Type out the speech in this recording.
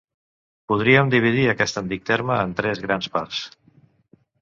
Podríem dividir aquest antic terme en tres grans parts.